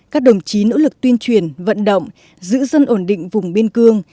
các đồng chí nỗ lực tuyên truyền vận động giữ dân ổn định vùng biên cương